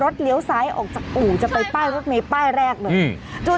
เดี๋ยวดูขวางให้